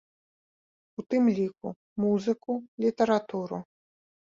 У тым ліку музыку, літаратуру.